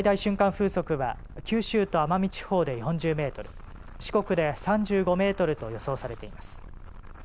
風速は九州と奄美地方で４０メートル、四国で３５メートルと予想されています。